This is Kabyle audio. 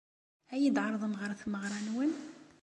Ad iyi-d-tɛerḍem ɣer tmeɣra-nwen?